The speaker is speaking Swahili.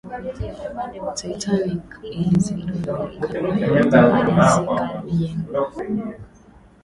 titanic ilizinduliwa kabla ya kumalizika kujengwa